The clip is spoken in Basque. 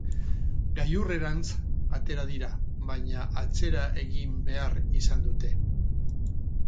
Gailurrerantz atera dira, baina atzera egin behar izan dute.